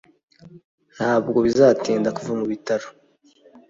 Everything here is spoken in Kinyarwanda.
ntabwo bizatinda kuva mu bitaro